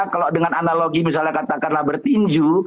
kalau dengan analogi misalnya katakanlah bertinju